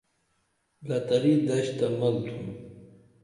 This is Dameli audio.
لتری دڜ تہ مل تُھون